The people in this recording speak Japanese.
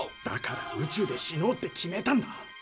だから宇宙で死のうって決めたんだ。